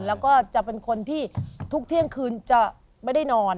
แล้วก็จะเป็นคนที่ทุกเที่ยงคืนจะไม่ได้นอน